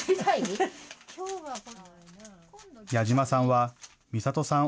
矢嶋さんはみさとさん